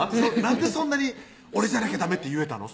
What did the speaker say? なんでそんなに「俺じゃなきゃダメ」って言えたの？